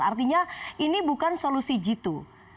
artinya ini bukan solusi jitu